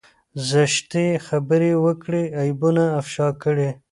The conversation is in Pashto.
زشتې خبرې وکړي عيبونه افشا کړي.